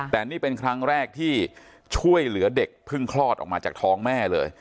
แต่นี่เป็นครั้งแรกที่ช่วยเหลือเด็กเพิ่งคลอดออกมาจากท้องแม่เลย